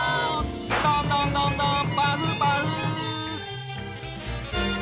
ドンドンドンドンパフパフ！